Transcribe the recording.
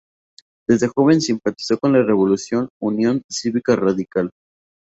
Desde joven simpatizó con la revolucionaria Unión Cívica Radical.